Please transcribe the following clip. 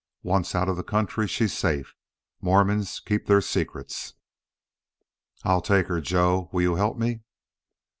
Once out of the country, she's safe. Mormons keep their secrets." "I'll take her. Joe, will you help me?"